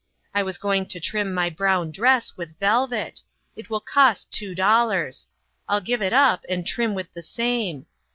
I was going to trim my brown dress with velvet. It will cost two dollars. I'll give it up and trim with the same.